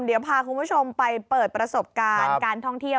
เดี๋ยวพาคุณผู้ชมไปเปิดประสบการณ์การท่องเที่ยว